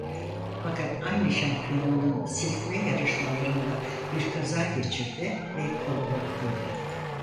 Fakat aynı şampiyonanın silkme yarışmalarında bir kaza geçirdi ve kolunu kırdı.